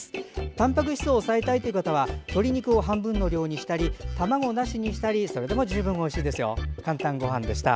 たんぱく質を抑えたい方は鶏肉を半分の量にしたり卵なしにしたりそれでも十分おいしいですよ。